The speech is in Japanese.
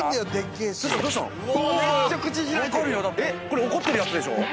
これ怒ってるやつでしょう？